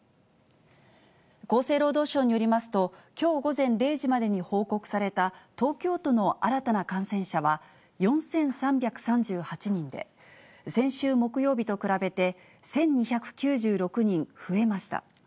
厚生労働省によりますと、きょう午前０時までに報告された東京都の新たな感染者は、４３３８人で、先週木曜日と比べて、１２９６人増えました。